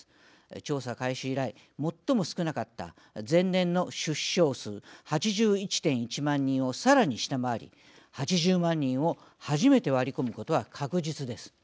調査開始以来最も少なかった前年の出生数８１．１万人をさらに下回り８０万人を初めて割り込むことは確実です。